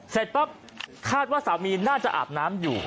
เสร็จปั๊บคาดว่าสามีน่าจะอาบน้ำอยู่